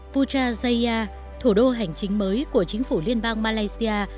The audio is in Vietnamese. puchaya thủ đô hành chính mới của chính phủ liên bang malaysia